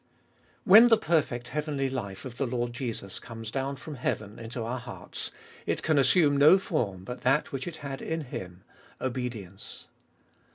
7. When the perfect heavenly life of the Lord Jesus comes down from heauen into our hearts, it can assume no form but that which it had in Him — obedience.